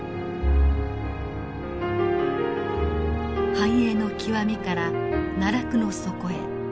繁栄の極みから奈落の底へ。